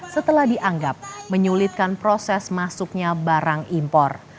setelah dianggap menyulitkan proses masuknya barang impor